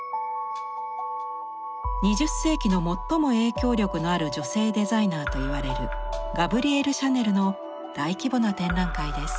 ２０世紀の最も影響力のある女性デザイナーといわれるガブリエル・シャネルの大規模な展覧会です。